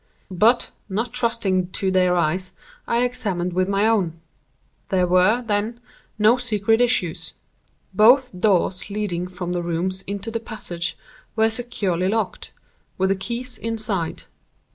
But, not trusting to their eyes, I examined with my own. There were, then, no secret issues. Both doors leading from the rooms into the passage were securely locked, with the keys inside.